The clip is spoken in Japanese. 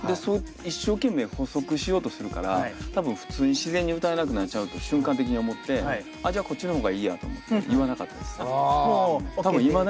一生懸命補足しようとするから多分普通に自然に歌えなくなっちゃうと瞬間的に思ってじゃあこっちの方がいいやと思って言わなかったです。